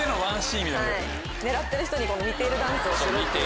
狙ってる人に見ているダンスをする。